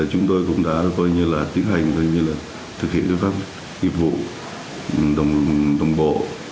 chúng tôi cũng đã tiến hành thực hiện các nghiệp vụ đồng bộ